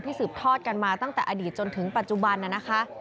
สืบทอดกันมาตั้งแต่อดีตจนถึงปัจจุบันน่ะนะคะ